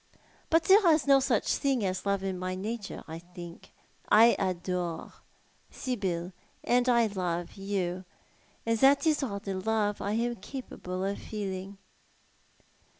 But there is no such thing as love in my nature, I think. I adore Sibyl, and I love you ; and that is all the love I am capable of feeling."